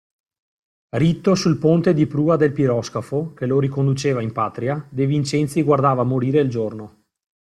Ritto sul ponte di prua del piroscafo, che lo riconduceva in patria, De Vincenzi guardava morire il giorno.